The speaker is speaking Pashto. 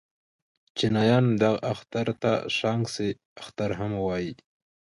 چينایان دغه اختر ته شانګ سه اختر هم وايي.